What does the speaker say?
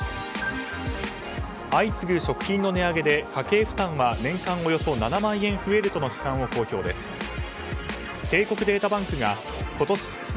相次ぐ食品の値上げで家計負担は年間およそ７万円増えるとの試算を公表です。